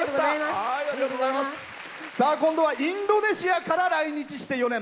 今度はインドネシアから来日して４年。